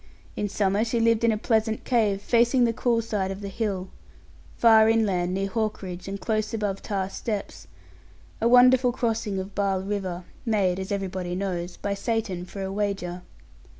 In summer she lived in a pleasant cave, facing the cool side of the hill, far inland near Hawkridge and close above Tarr steps, a wonderful crossing of Barle river, made (as everybody knows) by Satan, for a wager.